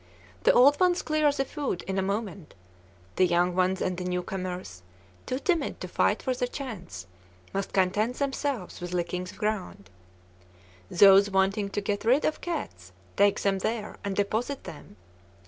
The old ones clear the food in a moment: the young ones and the newcomers, too timid to fight for their chance, must content themselves with licking the ground. Those wanting to get rid of cats take them there and deposit them.